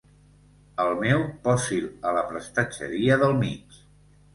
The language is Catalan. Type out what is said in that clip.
El meu, posi'l a la prestatgeria del mig.